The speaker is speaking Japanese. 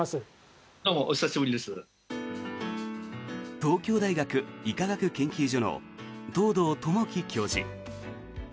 東京大学医科学研究所の藤堂具紀教授。